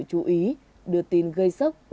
chú ý đưa tin gây sốc